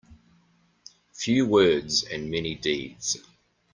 Few words and many deeds.